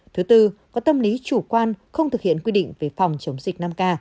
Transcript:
thứ tư có tâm lý chủ quan không thực hiện quy định về phòng chống dịch năm k